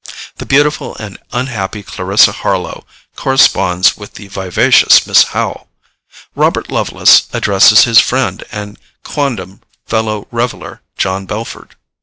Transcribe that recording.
The beautiful and unhappy Clarissa Harlowe corresponds with the vivacious Miss Howe; Robert Lovelace addresses his friend and quondam fellow reveller, John Belford.